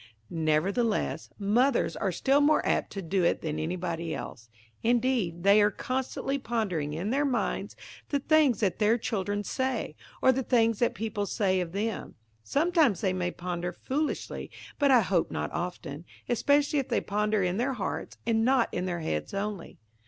Nevertheless, mothers are still more apt to do it than anybody else. Indeed, they are constantly pondering in their minds the things that their children say, or the things that people say of them. Sometimes they may ponder foolishly, but I hope not often, especially if they ponder in their hearts, and not in their heads only.